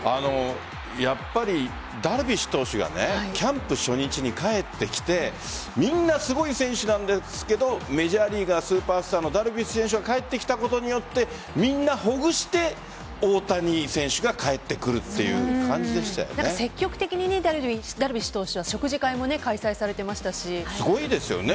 やっぱりダルビッシュ投手がキャンプ初日に帰ってきてみんなすごい選手なんですけどメジャーリーガースーパースターのダルビッシュ選手が帰ってきたことによってみんなほぐして大谷選手が帰ってくるという積極的にダルビッシュ投手はすごいですよね